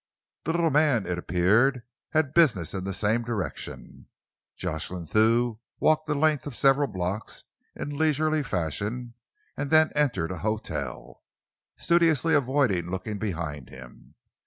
The little man, it appeared, had business in the same direction. Jocelyn Thew walked the length of several blocks in leisurely fashion and then entered an hotel, studiously avoiding looking behind him.